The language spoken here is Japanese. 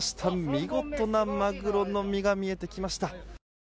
見事なマグロの身が見えてきました。